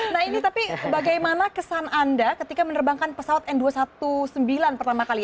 nah ini tapi bagaimana kesan anda ketika menerbangkan pesawat n dua ratus sembilan belas pertama kali